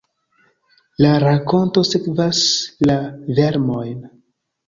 La rakonto sekvas la vermojn.